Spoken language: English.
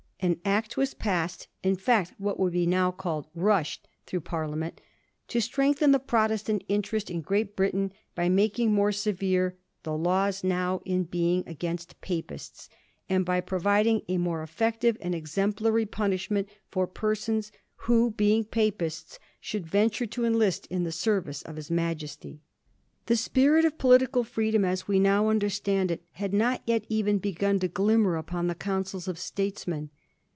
An Act was passed, in fact what would now be called ' rushed,' through Parliament, to * strengthen the Protestant interest in Great Britain,' by making more severe * the laws now in being against Papists,' and by providing a more efiective and exemplary punishment for persons who, being Papists, should venture to enlist in the service of his Majesty. The spirit of political fi*eedom, as we now under stand it, had not yet even begun to glimmer upon the counsels of statesmen.